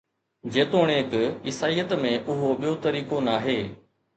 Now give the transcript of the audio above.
جيتوڻيڪ عيسائيت ۾، اهو ٻيو طريقو ناهي